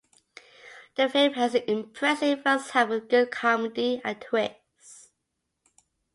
The film has an impressive first half with good comedy and twists.